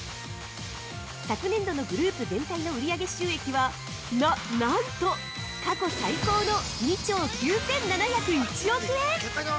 昨年度のグループ全体の売り上げ収益はな、なんと過去最高の２兆９７０１億円！